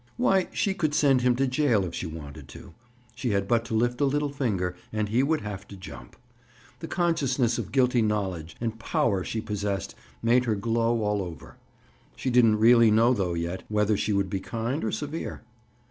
Why, she could send him to jail, if she wanted to. She had but to lift a little finger and he would have to jump. The consciousness of guilty knowledge and power she possessed made her glow all over. She didn't really know though, yet, whether she would be kind or severe.